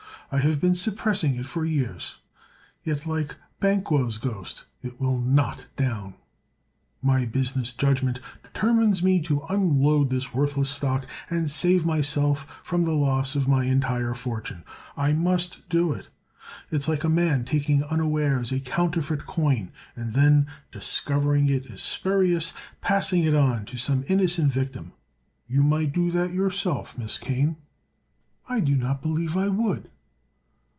I have been suppressing it for years, yet like Banquo's ghost it will not down. My business judgment determines me to unload this worthless stock and save myself from the loss of my entire fortune. I must do it. It is like a man taking unawares a counterfeit coin, and then, discovering it is spurious, passing it on to some innocent victim. You might do that yourself, Miss Kane." "I do not believe I would."